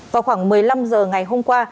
vào khoảng một mươi năm h ngày hôm qua